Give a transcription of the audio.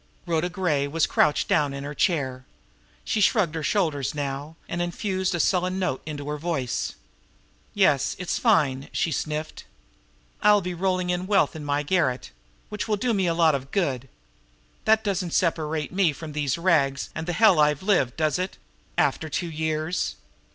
Rhoda Gray was crouched down in her chair. She shrugged her shoulders now, and infused a sullen note into her voice. "Yes, it's fine!" she sniffed. "I'll be rolling in wealth in my garret which will do me a lot of good! That doesn't separate me from these rags, and the hell I've lived, does it after two years?"